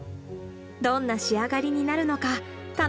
どんな仕上がりになるのか楽しみだね。